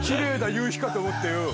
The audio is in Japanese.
夕日かと思ってよ